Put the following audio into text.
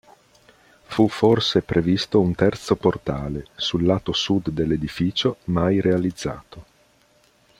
Fu forse previsto un terzo portale, sul lato sud dell'edificio, mai realizzato.